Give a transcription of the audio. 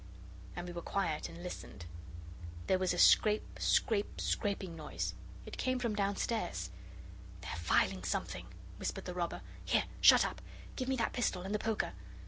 and we were quiet and listened. There was a scrape, scrape, scraping noise; it came from downstairs. 'They're filing something,' whispered the robber, 'here shut up, give me that pistol, and the poker.